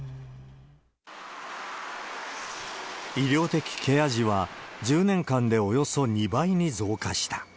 医療的ケア児は、１０年間でおよそ２倍に増加した。